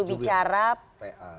kita baca pernyataan kutipannya